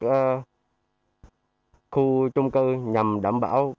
đồng thời thường xuyên không cho là người ra vào khỏi phòng